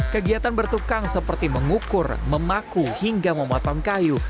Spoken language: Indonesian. kegiatan bertukang seperti mengukur memaku hingga memotong kayu